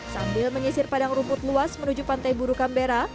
sambil menyisir padang rumput luas menuju pantai buru kambera